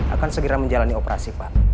akan segera menjalani operasi pak